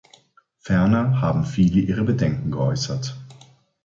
Ferner haben viele ihre Bedenken geäußert.